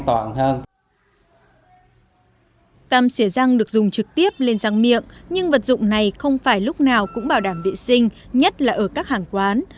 tạm xi răng được dùng trực tiếp lên răng miệng nhưng vật dụng này không phải lúc nào cũng bảo đảm vệ sinh nhất là ở các hàng quán